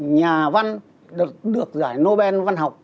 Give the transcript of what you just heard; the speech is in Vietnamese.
nhà văn được giải nobel văn học